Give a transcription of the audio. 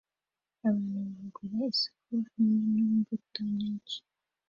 Abantu bagura isoko hamwe n'imbuto nyinshi